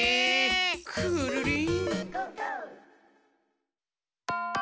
くるりん。